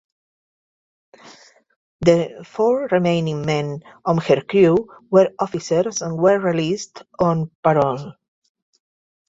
The four remaining men of her crew were officers and were released on parole.